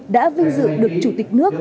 đã vinh dự được chủ tịch nước